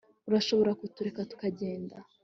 Urashobora kutureka tukagenda